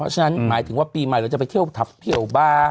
ฉะนั้นหมายถึงว่าปีใหม่เราจะไปเที่ยวทัพเที่ยวบ้าง